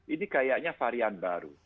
ini kayaknya varian baru